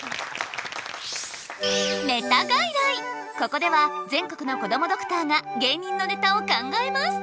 ここでは全国のこどもドクターが芸人のネタを考えます！